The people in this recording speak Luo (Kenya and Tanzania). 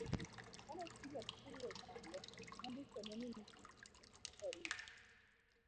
Kane Kijasiri ochang'o, nondiko ne min gi barua